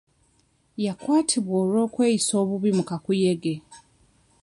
Yakwatibwa olw'okweyisa obubi mu kakuyege.